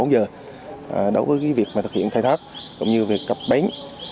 đối với việc thực hiện khai thác cũng như việc cấp bến